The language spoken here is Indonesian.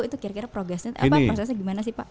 itu kira kira progresnya prosesnya gimana sih pak